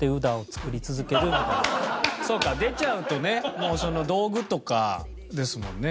そうか出ちゃうとね道具とかですもんね。